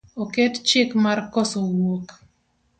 Oket chik mar koso wuok